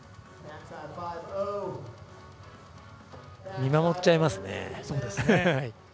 見守っちゃいますね。